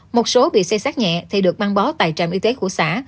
một số bị xây sát nhẹ thì được mang bó tại trạm y tế của xã